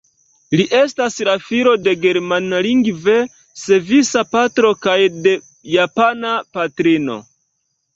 Li estas la filo de germanlingve svisa patro kaj de japana patrino.